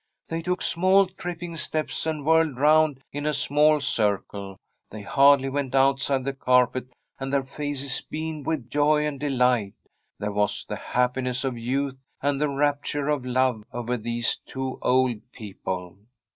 They took small, tripping steps, and whirled round in a small circle; they hardly went out side the carpet, and their faces beamed with joy and delight. There was the happiness of youth and the rapture of love over these two old people.